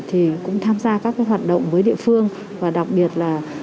thì cũng tham gia các hoạt động với địa phương và đặc biệt là